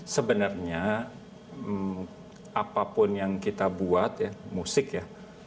sebenarnya apapun yang kita buat ya musik ya